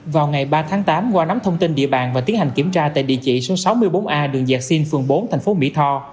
vào ngày ba tháng tám qua nắm thông tin địa bàn và tiến hành kiểm tra tại địa chỉ số sáu mươi bốn a đường dạng sinh phường bốn thành phố mỹ tho